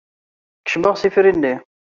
Kecmeɣ s ifri-nni.